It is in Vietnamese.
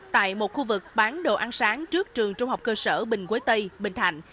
tại một khu vực bán đồ ăn sáng trước trường trung học cơ sở bình quế tây bình thạnh